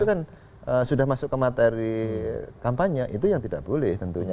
itu kan sudah masuk ke materi kampanye itu yang tidak boleh tentunya